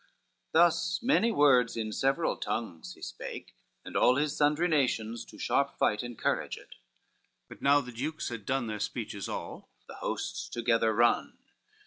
Thus many words in several tongues he spake, And all his sundry nations to sharp fight Encouraged, but now the dukes had done Their speeches all, the hosts together run.